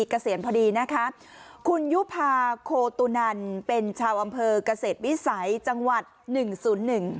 เกษียณพอดีนะคะคุณยุภาโคตุนันเป็นชาวอำเภอกเกษตรวิสัยจังหวัดหนึ่งศูนย์หนึ่ง